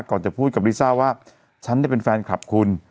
จะพูดกับลิซ่าว่าฉันเป็นแฟนคลับคุณ